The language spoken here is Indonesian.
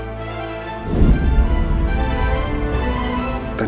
aku tau om